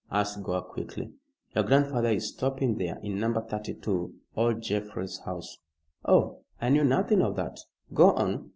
asked Gore, quickly. "Your grandfather is stopping there in No. 32; old Jefferies' house." "Oh! I knew nothing of that. Go on."